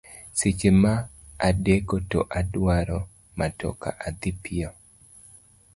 Seche ma adeko to adwaro matoka adhi piyo.